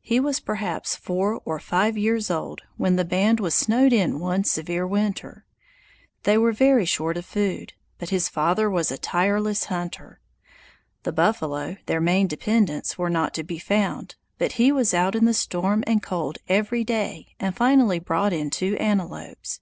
He was perhaps four or five years old when the band was snowed in one severe winter. They were very short of food, but his father was a tireless hunter. The buffalo, their main dependence, were not to be found, but he was out in the storm and cold every day and finally brought in two antelopes.